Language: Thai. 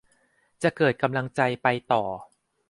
จะเกิดกำลังใจไปต่อ